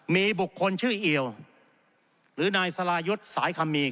มีบุคคลชื่อเอี่ยวหรือนายสรายุทธ์สายคำมี